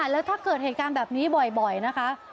แล้วถ้าเกิดเหตุการณ์แบบนี้บ่อยนะคะ